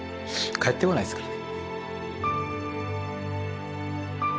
帰ってこないですね。